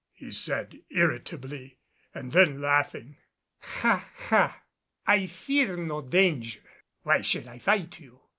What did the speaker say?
he said irritably, and then laughing, "Ha! ha! I fear no danger. Why should I fight you?